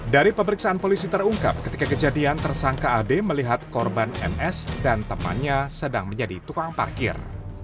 dari pemeriksaan polisi terungkap ketika kejadian tersangka ad melihat korban ms dan temannya sedang menjadi tukang parkir